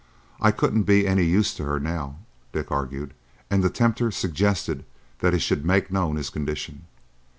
I couldn't be any use to her now," Dick argued, and the tempter suggested that he should make known his condition.